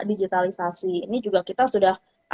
digitalisasi ini juga kita sudah